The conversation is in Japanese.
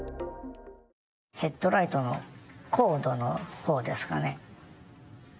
ヘッドライトのコードの方ですかね。